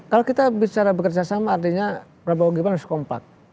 kalau kita bicara bekerja sama artinya prabowo gibran harus kompak